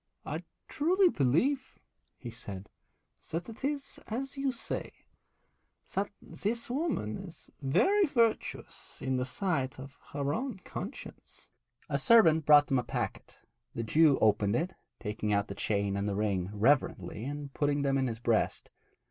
'I truly believe,' he said, 'that it is as you say, that this woman is very virtuous in the sight of her own conscience.' A servant brought them a packet. The Jew opened it, taking out the chain and the ring reverently and putting them in his breast.